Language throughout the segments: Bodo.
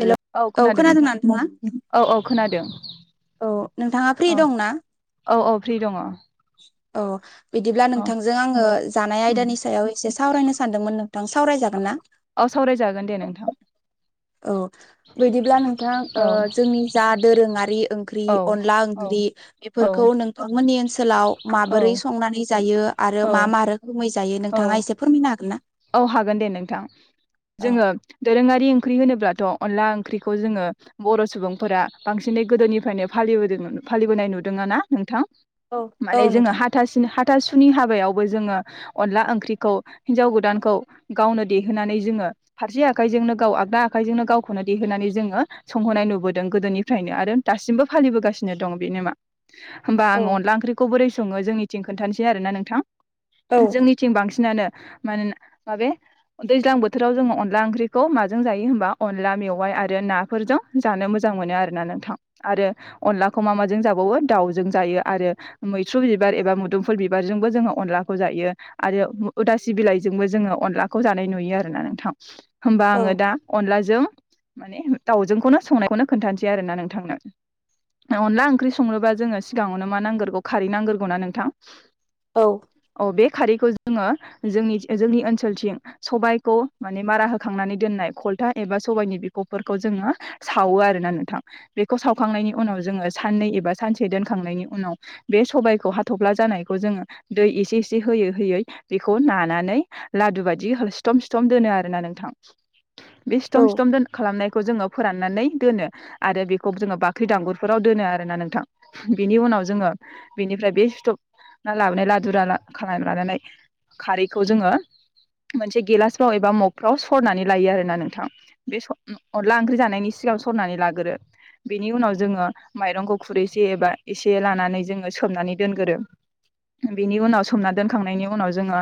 हेलौ औ खोनादों नोंथां औ औ खोनादों औ नोंथाङा फ्रि दं ना! फख्रि दङ औ बिदिब्ला नोंथांजों आङो जानाय उम आयदानि सायाव एसे सावरायनो सानदोंमोन नों थां सावरायजागोन ना औ सावरायजागोन दे नोंथां औ बिदिब्ला नोंथां ओ औ जोंनि जा दोरोङारि ओंख्रि औ अनला औ ओंख्रि बेफोरखौ नोंथमोननि ओनसोलाव माबोरै औ संनानै जायो आरो मा औ मा रोखोमै जायो औ नोंथाङा एसे फोरमायनो हागोन ना? औ हागोन दे नोंथां औ जोङो दोरोङारि ओंख्रि होनोब्लाथ' अनला ओंख्रिखौ जोङो बर' सुबुंफोरा बांसिनै गोदोनिफ्रायनो फालि लिबोदों फालिबोनाय नुदोंआना नोंथां औ माने जोङो नोंथां हाथासिन हा थासुनि हाबायावबो जोङो अनला ओंख्रिखौ हिनजाव गोदान खौ गावनो देहोनानै जोङो फारसे आखाइजोंनो गाव आगदा आखाइजोंनो गावखौनो देहोनानै जोङो संहैनाय नुबोदों गोदोनिफ्रायनो आरो दासिमबो फालिबोगासिनो दं बे नेमा। होमबा औ आं अनला ओंख्रिखौ बोरै सङो जोंनिथिं खोनन्थानोसै आरोना नोंथां। औ जोंनिथिं बांसिनानो मानो माबे दैज्लां बोथोराव जोङो अनला ओंख्रिखौ माजों जायो होनबा अनला मेवाइ आरो नाफोरजों जानो मोजां मोनो आरो ना नोंथां आरो अनलाखौ मा माजों जाबावो दाउजों जायो आरो मैथ्रु बिबार एबा मोदुमफल बिबारजोंबो जोङो अनलाखौ जायो आरो उदासि बिलाइजोंबो जोङो अनलाखौ जानाय नुयो आरोना नोंथां होमबा आङो दा अनलाजों माने दावजोंखौनो संनायखौनो खोन्थानसै आरो ना नोंथांनो। अनला ओंख्रि संनोबा जोङो सिगाङावनो मा नांगोरगौ खारै नांगोरगौना नोंथां। औ औ बे खारैखौ जोङो जोंनि जोंनि ओनसो लथिं सबाइखौ माने मारा होखांनानै दोननाय खलथा एबा सबायाइनि बिख'फोरखौ जोङो सावो आरोना नोंथां बेखौ सावखांनायनि उनाव जोङो साननै एबा सानसे दोनखांनायनि उनाव बे सबायखौ हाथब्ला जानायखौ जोङो दै इसे इसे होयै होयै बेखौ नानानै लादु बादि सिथम सिथम दोनो आरोना नोंथां बे सिथम सिथम दोन खालामनायखौ जोङो फोराननानै दोनो आरो बेखौ जोङो बाख्रि दांगुरफोराव दोनो आरोना नोंथां बिनि उनाव जोङो बिनिफ्राय बे सिथबना लाबोनाय लादुराला खालाम लानानै खारैखौ जोङो मोनसे गेलासफ्राव एबा मगफ्राव सरनानै लायो आरो ना नोंथां बे अनला ओंख्रि जानायनि सिगां सरनानै लागोरो। बेनि उनाव जोङो माइरंखौ खुरैसे एबा एसे लानानै जोङो सोमनानै दोनगोरो। बेनि उनाव सोमना दोनखांनायनि उनाव जोङो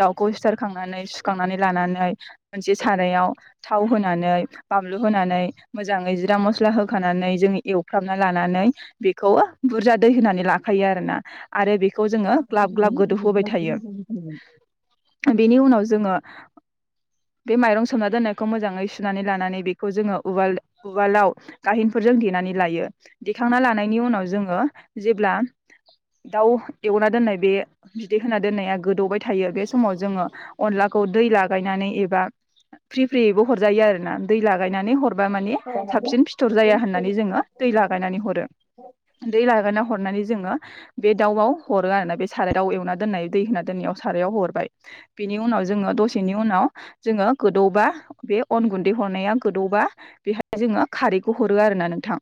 दाउखौ सिटार खांनानै सुखांनानै लानानै मोनसे सारायाव थाव होनानै बानलु होनानै मोजाङै जिरा मस्ला होखानानै जों एवफ्रामना लाना नै बेखौ बुरजा दै होनानै लाखायो आरोना आरो बे [unintelligible] बेनि उनाव जोङो बे माइरं सोमना दोन्नायखौ मोजाङै सुनानै लानानै बेखौ जोङो उवाल उवालाव गाहनफोर जों देनानै लायो देखांना लानायनि उनाव जोङो जेब्ला दाउ एवना दोननाय बे बिदै होना दोननाया गोदौबाय थायो बे समाव जोङो अनलाखौ दै लागायनानै एबा फ्रि फ्रिबो हरजायो आरो ना दै लागायनानै हर बा माने औ साबसिन फिथर जाया होननानै जोङो दै लागायनानै हरो। औ दै लागोना हरनानै जोङो बे दाउआव हरो आरोना बे साराय दाउ एवना दोननाय दै होना दोननायाव सारायाव हरबाय। बिनि उनाव जोङो दसेनि उनाव जोङो गोदौबा बे अन गुन्दै हरनाया गोदौ बाय बेहाय जोङो खारैखौ हो आरोना नोंथां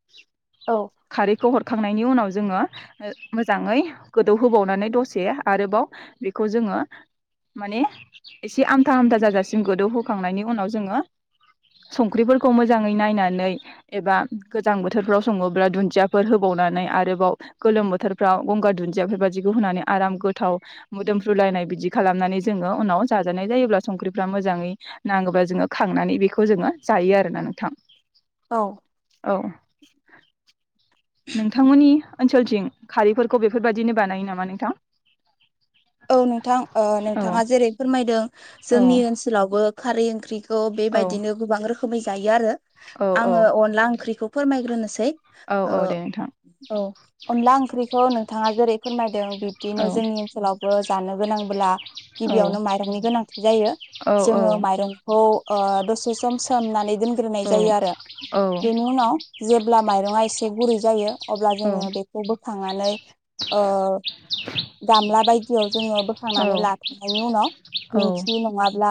औ खारैखौ हरखांनायनि उनाव जोङो मोजाङै गोदौ होबावनानै दसे आरोबाव बेखौ जोङो माने एसे आमथा हामथा जाजासिम गोदौहोखांनायनि उनाव जोङो संख्रिफोरखौ मोजाङै नायनानै एबा गोजां बोथोरफ्राव सङोब्ला दुन्दियाफोर होबाव नानै आरोबाव गोलोम बोथोरफ्राव गंगार दुन्दिया बेबादिखौ होननै आराम गोथाव मोदोमफ्रुलायनाय बिदि खालामनानै जोङो उनाव जाजानाय जायोब्ला संख्रिफ्रा मोजाङै नाङोब्ला जोङो खांनानै बेखौ जोङो जायो आरोना नोंथां औ औ। नोंथांमोननि ओनसोलथिं खारैफोरखौ बेफोरबायाददिनो बानायो नामा नोंथां। औ नोंथां औ नोंथाङा जेरै फोरमायदों औ जोंनि ओनसोलावबो खारै ओंख्रि खौ औ बेबायदिनो गोबां रोखोमै जायो आरो औ औ आङो अनला ओंख्रिखौ फोरमायग्रोनोसै। औ औ ओ दे नोंथां औ अनला ओंख्रिखौ नोंथाङा जेरै फोरमायदों औ बिब्दिनो जोंनि ओनसोलावबो जानो गोनांब्ला औ गिबियावनो माइरंनि गोनांथि जायो औ औ जोङो माइरंखौ ओ दसे सम सोमनानै दोनग्रोनाय जायो आरो औ बेनि उनाव जेब्ला माइरङा एसे गुरै जायो अब्ला जोङो बेखौ बोखांनानै ओ गामला बाय जोङो बोखांनानै लाखांनायनि उनाव औ दिंखिनि नङाब्ला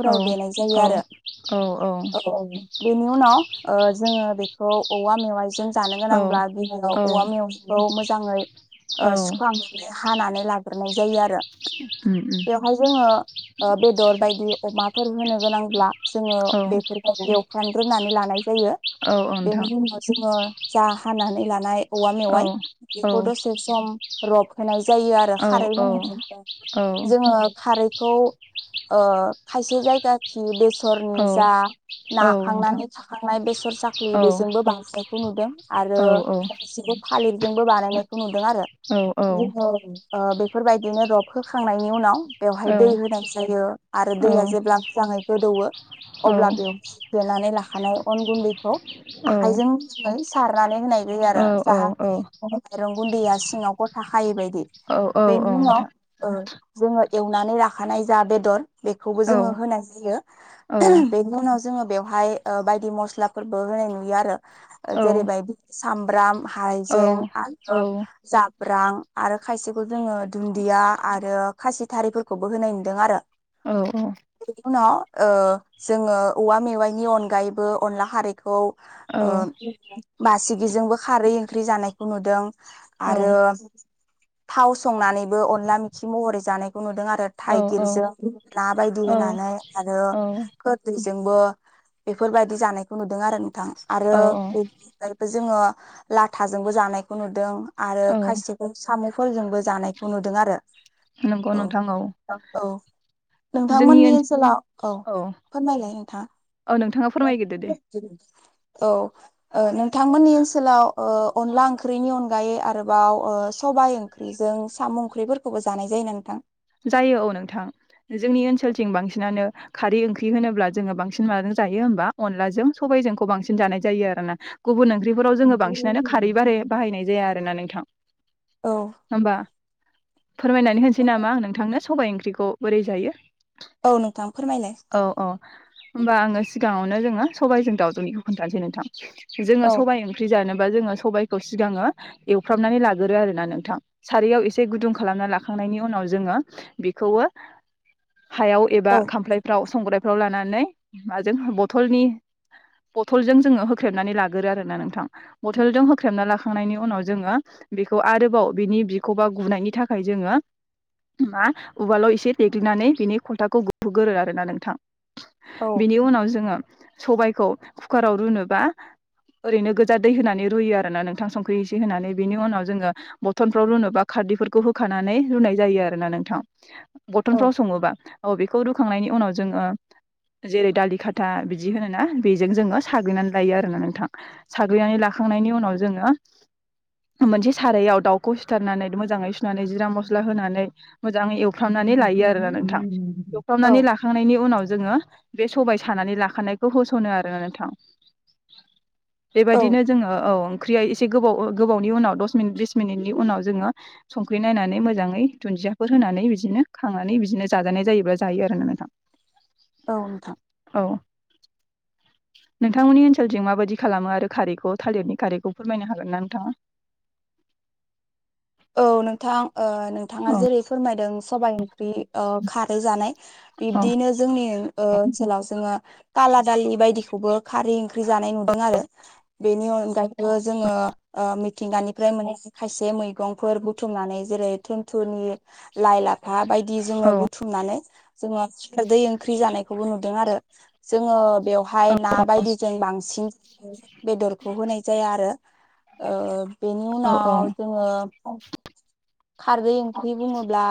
औ देनाय जायो औ आरो औ औ बेनि उनाव ओ जोङो बेखौ औवा मेवाइजों जानो गोनांब्ला गिबियाव औ औवाखौ मोजाङै औ सुखांनानै हानानै लाग्रो गोरनाय जायो आरो बेवहाय जोङो ओ बेदर बायदि अमाफोर होनो गोनांब्ला जोङो बेफोरखौ एवफ्रामग्रोनानै लानाय जायो औ बेनि नोंथां उनाव जोङो जा हानानै लानाय औवा औ मेवाइ औ बेखौ दसे सम रब होनाय जायो आरो औ खारै औ होननानै औ जोङो खारैखौ ओ खायसे जायगा खि बेसरनि नोंथां औ जा नाखांनानै थाखांनाय बेसर साख्रि बेजोंबो बांनायखौ नुदों आरो सि थालिरजोंबो बानायनायखौ नुदों आरो औ जों ओ बेफोरबायदिनो रबहोखांनायनि उनाव बेवहाय दै होनाय जायो आरो दैया जेब्ला मोजाङै गोदौवो अब्ला बेव देनानै लाखानाय अन गुन्दैखौ आखाइजों जोङै सारनानै होनाय जायो आरो जाहाथे माइरं गुन्दैया सिङाव गथा खायै बदि बेनि उनाव जोङो एवनानै लाखानाय जा बेदर बेखौबो औ जोङो होनाय जायो औ बेनि उनाव जों जोङो बेवहाय ओ बायदि मस्लाफोरबो होनाय नुयो आरो। जेरैबायदि सामब्राम हायजें आरो जा ब्रां आरो खायसेखौ जोङो दुन्दिया आरो खासि थारिफोरखौबो होनाय नुदों आरो। औ औ। बेनि उनाव ओ जोङो औवा मेवाइनि अनगायैबो अनला खारैखौ ओ बासिगिजोंबो खारै ओंख्रि जानायखौ नुदों आरो थाव संनानैबो अनला मेखि महरै जानायखौ नुदों आ रो थाइगिरजों ना बायदि होनानै आरो खोरदै जोंबो बेफोरबायदि जानायखौ नुदों आरो नोंथां आरो [unintelligible] जोङो लाथाजोंबो जानायखौ नुदों आरो औ खायसेफोर साम' जोंबो जानायखौ नुदों आरो। नंगौ नोंथां औ। औ जोंनि नोंथांमोननि ओनसोल ओनसोलाव औ फोरमायलाय नोंथाङा। औ नोंथाङा फोरमायग्रदो दे। औ ओ नोंथांमोननि ओनसोलाव ओ अनला ओंख्रिनि अनगायै आरोबाव ओ सबायाइ ओंख्रिजों साम' ओंख्रिफोरखौबो जानाय जायो ना नोंथां? जायो औ नोंथां, जोंनि ओनसोलथिं बांसिनानो खारै ओंख्रि होनोब्ला जोङो बांसिन माजों जायो होनब्ला अनलाजों सबायजोंखौ बांसिनै जानाय जायो आरो ना। गुबुन ओं ओंख्रिफोराव जोङो बांसिनानो खारै बारे बाहायनाय जाया आरो ना नोंथां। औ होमबा फोरमायनानै होनोसै नामा आं नोंथांनो सबाइ ओंख्रिखौ बोरै जायो? औ नोंथां फोरमायलाय। औ औ होमबा आङो सिगाङावनो जोङो सबबायजों दावजौनिखौ खोन्थासै नोंथां। जोङो औ सबबाय ओंख्रि जानो बा जोङो सबायखौ सिगाङो एवफ्रामनानै लाग्रोयो आरोना नोंथां। सारायाव एसे गुदुं खालामना लाखां नायनि उनाव जोङो बेखौओ हायाव औ एबा खामफ्लायफ्राव संग्राय फ्राव लानानै माजों बथलनि बथलजों जोङो होख्रेबनानै लागोरो आरोना नोंथां। बथलजों होख्रेबना लाखांनायनि उनाव जोङो बेखौ आरोबाव बिनि बिखौबा गुनायनि थाखाय जोङो [inaudible] मा उवालाव एसे देग्लिनानै बिनि खलथाखौ गुहुगोरो आरोना नोंथां। औ बिनि उनाव जोङो सबायखौ कुकाराव रुनोबा ओरैनो गोजा दै होनानै रुयो आरो ना नोंथां संख्रि एसे होनानै बिनि उनाव जोङो बरथनफ्राव रुनोबा खा रदै फोरखौ होखानानै रुनाय जायोना आरोना नोंथां। औ बरथनफ्राव सङोबा औ बे खौ रुखांनायनि उनाव जोङो जेरै दालि खाथा बिदि होनोना बेजों जोङो साग्लिनानै लायो आरोना नोंथां। साग्लिनानै लाखां नायनि उनाव जोङो मोनसे सारायाव दाउखौ सिथारनानै मोजाङै सुनानै जिरा मस्ला होनानै मोजाङै एवफ्रामनानै लायो आरोना नोंथां एवफ्रामनानै औ लाखांनायनि उनाव जोङो बे सबाय सानानै लाखानायखौ होस'नो आरो नोंथां। औ बेबायदिनो जोङो औ ख्रिया एसे गोबाव ओ गोबावनि उनाव दस मिनिट बिस मिनिटनि उनाव जोङो संख्रि नायनानै मोजाङै दुुनजियाफोर होनानै बिदिनो खांनानै बिदिनो जाजानाय जायोब्ला जायो आरोना नोंथां। औ नोंथां। औ [inaudible] नोंथांमोननि ओनसोलथिं माबायदि खालामो आरो खारैखौ थालिरनि खारैखौ फोरमायनो हागोन ना नोंथाङा? [inaudible] औ नोंथां ओ नोंथाङा औ जेरै फोरमायदों सबाइ ओंख्रि ओ खारै जानाय औ बिब्दिनो जोंनि ओ ओनसोलाव जोङो काला दालि बायदिखौबो खारै ओंख्रि जानाय नुदों आरो। बेनि अनगायैबो जोङो ओ मिथिंगानिफ्राय मोननाय जे खायसे मैगं फोर बुथुमनानै जेरै थेनथुनि, लाइ, लाफा बायदि औ जोङो बुथुमनानै जोङो दै ओंख्रि जानायखौबो नुदों आरो। जोङो बेवहाय ना बायदिजों बांसिन बेदरखौ होनाय जाया आरो ओ बेनि औ उनाव औ जोङो खारदै ओंख्रि बुङोब्ला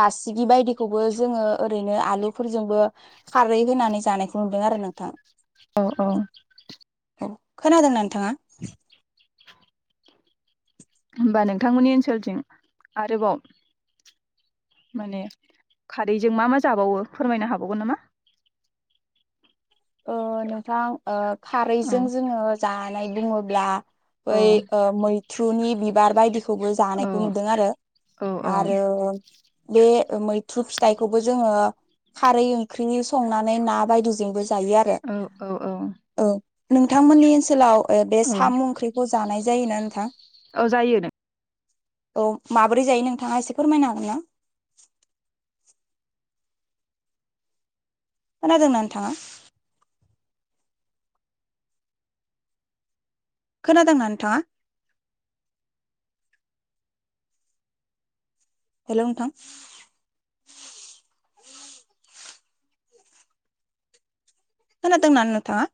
बासिगि बायदिखौबो जोङो ओरैनो आलुफोरजोंबो खारै होनानै जानायखौ नुदों आरो नोंथां। औ औ। औ खोनादोंना नोंथाङा? होमबा नोंथांमोननि ओनसोलथिं आरोबाव माने खारैजों मा मा जाबावो फोरमायनो हाबावगोन नामा? ओ नोंथां ओ औ खारैजों जोङो जानाय बुङोब्ला औ बै ओ मैथ्रुनि बिबार बायदि खौबो औ जानायखौ नुदों आरो औ आरो बे मैथ्रु फिथाइखौबो जोङो खारै ओंख्रिनि संनानै ना बायदिजोंबो जायो आरो औ औ औ। नोंथांमोननि ओनसोलाव ओ बे साम' ओंख्रिखौ जानाय जायोना नोंथां? औ जायो औ माबोरै जायो नोंथाङा एसे फोरमायनो हागोन ना? खोनादोंना नोंथाङा? खोनादों ना नोंथाङा? हेल' नोंथां। खोनादों ना नोंथाङा?